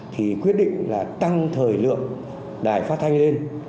thì quyết định là tăng thời lượng đài phát thanh lên